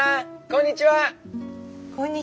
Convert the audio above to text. こんにちは。